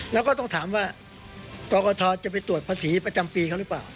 แล้วก็ต้องถามว่ากรกฐจะไปตรวจภาษีประจำปีเขาหรือเปล่า